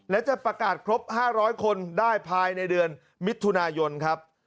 และจะประกาศครบ๕๐๐คนได้ภายในเดือนมิถุนายนครับ